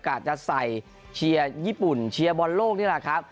อาจจะใส่เชียร์ญี่ปุ่นเชียร์บอลโลกนี่แหละครับ